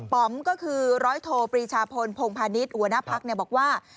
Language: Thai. ปก็คือร้อยโทปรีชาพลพงภณิษฐ์อุณหภักษ์บอกว่า